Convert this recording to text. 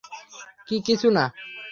কি কিছু না?